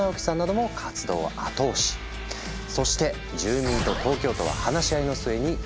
そして住民と東京都は話し合いの末に和解。